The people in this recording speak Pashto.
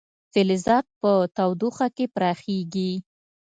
فلزات په تودوخه کې پراخېږي.